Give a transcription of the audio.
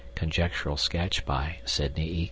(Conjectural sketch by Sidney E.